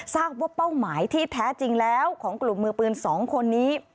ทราบว่าเป้าหมายที่แท้จริงแล้วของกลุ่มมือปืน๒คนนี้